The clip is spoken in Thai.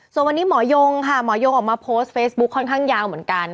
ส่วนวันนี้หมอยงค่ะหมอยงออกมาโพสต์เฟซบุ๊คค่อนข้างยาวเหมือนกัน